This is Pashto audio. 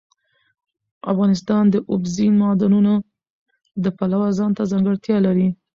افغانستان د اوبزین معدنونه د پلوه ځانته ځانګړتیا لري.